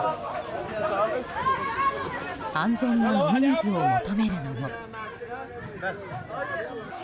安全な飲み水を求めるのも。